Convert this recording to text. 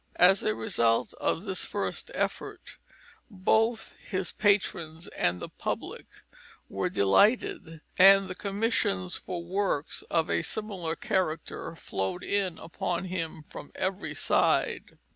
As a result of this first effort, both his patrons and the public were delighted, and commissions for works of a similar character flowed in upon him from every side.